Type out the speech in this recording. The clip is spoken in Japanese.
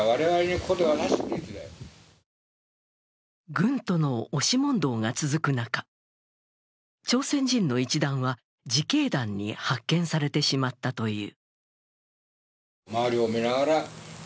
軍との押し問答が続く中、朝鮮人の一団は自警団に発見されてしまったという。